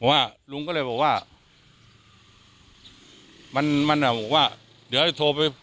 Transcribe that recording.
ว่าลุงก็เลยบอกว่ามันมันอ่ะบอกว่าเดี๋ยวไอ้โทรไป